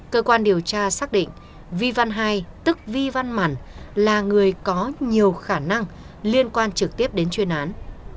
cơ quan điều tra xác định vi văn hai tức vi văn mản là người có nhiều khả năng liên quan trực tiếp đến chuyên án